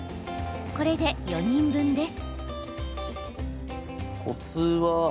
これで４人分です。